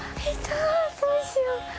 どうしよう？